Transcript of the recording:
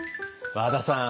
和田さん